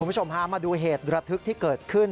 คุณผู้ชมพามาดูเหตุระทึกที่เกิดขึ้น